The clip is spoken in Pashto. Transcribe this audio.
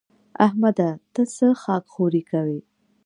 احمده! ته څه خاک ښوري کوې؟